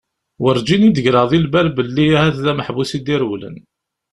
Werǧin i d-greɣ di lbal belli ahat d ameḥbus i d-irewlen.